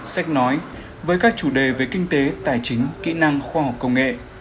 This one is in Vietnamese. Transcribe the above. sách nói với các chủ đề về kinh tế tài chính kỹ năng khoa học công nghệ